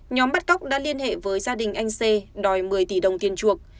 nhóm bắt cóc đã liên hệ với gia đình anh sê đòi một mươi tỷ đồng tiền chuộc